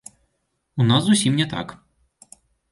У нас зусім не так.